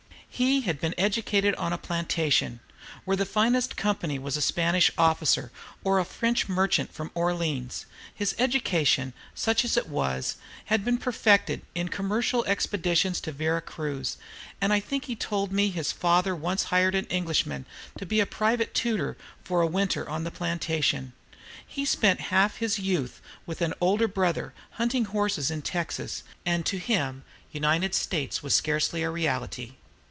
He had been educated on a plantation where the finest company was a Spanish officer or a French merchant from Orleans. His education, such as it was, had been perfected in commercial expeditions to Vera Cruz, and I think he told me his father once hired an Englishman to be a private tutor for a winter on the plantation. He had spent half his youth with an older brother, hunting horses in Texas; and, in a word, to him "United States" was scarcely a reality.